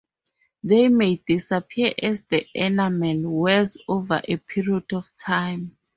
They may disappear as the enamel wears over a period of time.